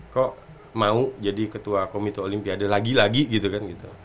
kok mau jadi ketua komite olimpiade lagi lagi gitu kan gitu